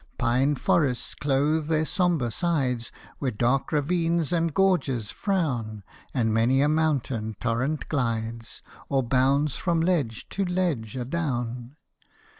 Pine forests clothe their sombre sides, Where dark ravines and gorges frown, And many a mountain torrent glides, Or bounds from ledge to ledge adown.